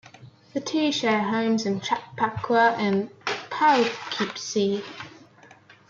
The two share homes in Chappaqua and Poughkeepsie.